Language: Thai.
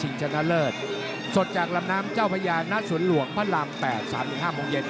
ชนะเลิศสดจากลำน้ำเจ้าพญาณสวนหลวงพระราม๘๓๕โมงเย็น